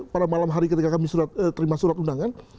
pada malam hari ketika kami terima surat undangan